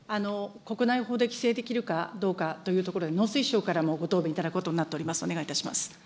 国内法で規制できるかどうかというところで、農水省からもご答弁いただくことになっております。